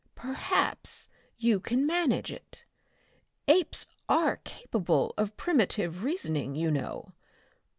Perhaps you can manage it. Apes are capable of primitive reasoning, you know.